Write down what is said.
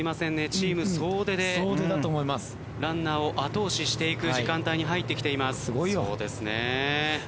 チーム総出でランナーを後押ししていく時間帯に入ってきています。